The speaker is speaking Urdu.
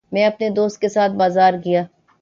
میں اپنے دوست کے ساتھ بازار گیا